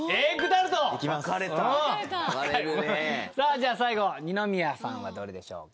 じゃあ最後二宮さんはどれでしょうか？